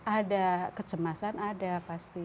ada kecemasan ada pasti